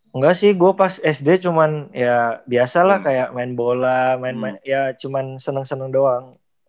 enggak sih gue pas sd cuman ya biasa lah kayak main bola main main ya cuma seneng seneng doang